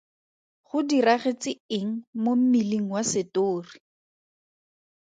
Go diragetse eng mo mmeleng wa setori?